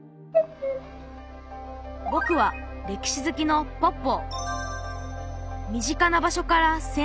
ぼくは歴史好きのポッポー。